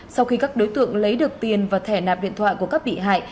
sau khi các đối tượng lấy được tiền và thẻ nạp điện thoại của các bị hại